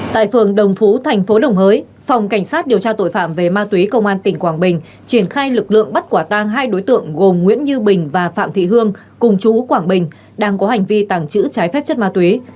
tại phường đồng phú thành phố đồng hới phòng cảnh sát điều tra tội phạm về ma túy công an tỉnh quảng bình triển khai lực lượng bắt quả tang hai đối tượng gồm nguyễn như bình và phạm thị hương cùng chú quảng bình đang có hành vi tàng trữ trái phép chất ma túy